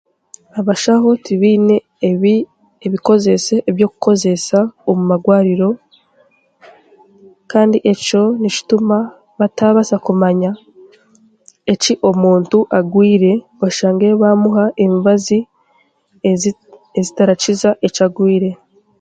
Abashaho tibaine ebikozeeso eby'okukozeesa omu magwariro kandi ekyo nikituma bataabaasa kumanya eki omuntu agwire oshange baamuha emibazi ezitarakiza eki arwaire.